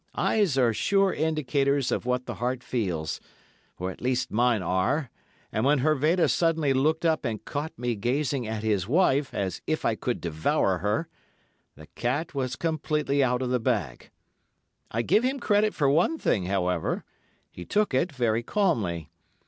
Eyes are sure indicators of what the heart feels, at least mine are, and when Hervada suddenly looked up and caught me gazing at his wife as if I could devour her, the cat was completely out of the bag. I give him credit for one thing, however: he took it very calmly.